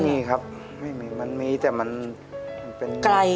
ไม่มีครับไม่มีมันมีแต่มันเป็นไกล